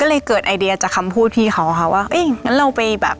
ก็เลยเกิดไอเดียจากคำพูดพี่เขาอะค่ะว่าเอ้ยงั้นเราไปแบบ